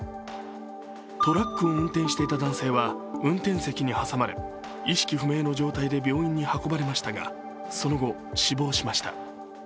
トラックを運転していた男性は運転席に挟まれ意識不明の状態で病院に運ばれましたがその後、死亡しました。